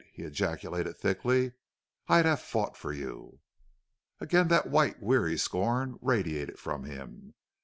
he ejaculated, thickly. "I'd have fought for you." Again that white, weary scorn radiated from him.